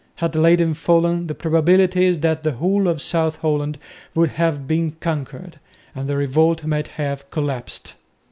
Had Leyden fallen the probability is that the whole of South Holland would have been conquered, and the revolt might have collapsed.